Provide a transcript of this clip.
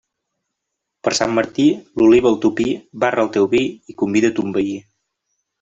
Per Sant Martí, l'oliva al topí, barra el teu vi i convida ton veí.